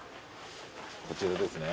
こちらですね。